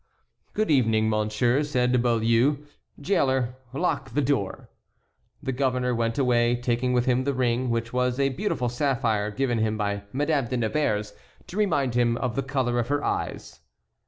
"Good evening, monsieur," said Beaulieu. "Jailer, lock the door." The governor went away, taking with him the ring, which was a beautiful sapphire, given him by Madame de Nevers to remind him of the color of her eyes.